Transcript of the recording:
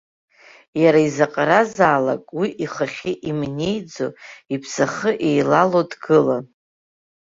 Иара изаҟаразаалак уи ихахьы имнеиӡо, иԥсахы еилало дгылан.